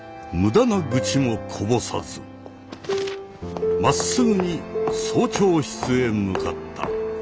無駄な愚痴もこぼさずまっすぐに総長室へ向かった。